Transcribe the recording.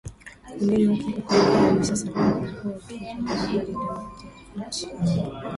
wengine wa kike kwani hadi sasa amenyakua tuzo mbalimbali ndani na nje ya nchi